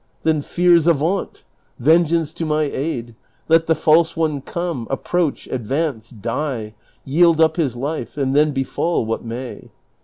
Then fears avaunt ! Vengeance to my aid ! Let the false one come, approach, advance, die, yield up his life, and then befall what may.